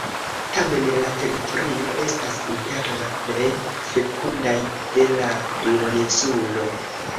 Tamen la teritorio estas inter la plej fekundaj de la duoninsulo.